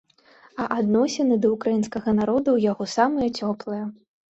А адносіны да ўкраінскага народа ў яго самыя цёплыя.